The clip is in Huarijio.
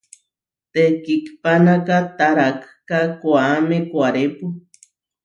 Tekihpanáka, taráhka koʼáme koʼárepu.